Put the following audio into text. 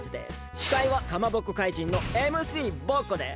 しかいはかまぼこかいじんのＭＣボッコです！